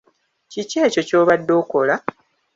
Kiki ekyo ky'obadde okola?